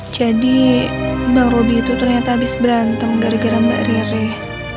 jadi bang robi itu ternyata habis berantem gara gara mbak nireh